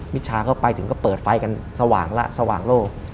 ชาก็ไปถึงก็เปิดไฟกันสว่างละสว่างโลก